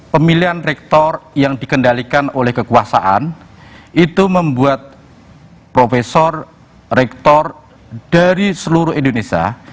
pemilihan rektor yang dikendalikan oleh kekuasaan itu membuat profesor rektor dari seluruh indonesia